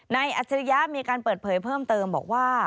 อัจฉริยะมีการเปิดเผยเพิ่มเติมบอกว่า